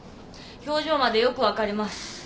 表情までよく分かります。